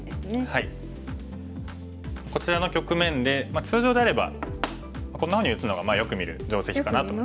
こちらの局面で通常であればこんなふうに打つのがよく見る定石かなと。